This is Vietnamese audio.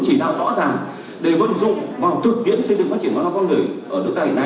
để vận dụng và thực tiễn xây dựng phát triển văn hóa con người ở nước ta hiện nay